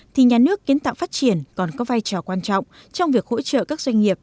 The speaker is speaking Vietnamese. thì nhà nước kiến tạo phát triển còn có vai trò quan trọng trong việc hỗ trợ các doanh nghiệp